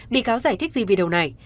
bị cáo giải thích gì video này